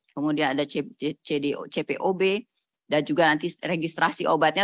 kemudian ada cpob dan juga nanti registrasi obatnya